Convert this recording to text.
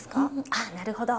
ああなるほど。